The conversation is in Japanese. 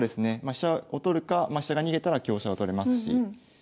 飛車を取るかま飛車が逃げたら香車を取れますし。